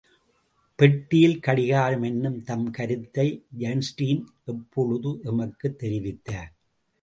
பெட்டியில் கடிகாரம் என்னும் தம் கருத்தை ஐன்ஸ்டீன் எப்பொழுது, எங்குத் தெரிவித்தார்?